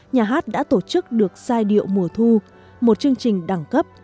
nhà hát đã tổ chức được giai điệu mùa thu một chương trình đẳng cấp